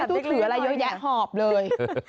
มีสู้อะไรเยอะหอบเลย